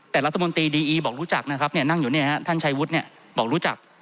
แต่รัฐมนตรีดีอีบอกรู้จักนะครับนั่งอยู่เนี่ยฮะท่านชัยวุฒิเนี่ยบอกรู้จัก